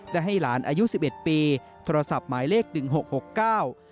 ให้หลานอายุสิบเอ็ดปีโทรศัพท์หมายเลขหนึ่งหกหกเก้า